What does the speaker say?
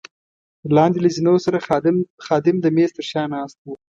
لاندې له زینو سره خادم د مېز تر شا ناست وو.